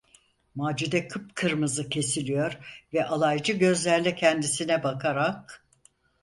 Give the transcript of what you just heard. Macide kıpkırmızı kesiliyor ve alaycı gözlerle kendisine bakarak: